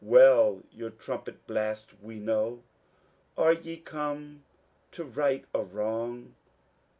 Well joor trumpet blast we know : Are je come to right a wrong